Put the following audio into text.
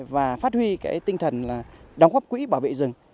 và phát huy cái tinh thần đóng góp quỹ bảo vệ rừng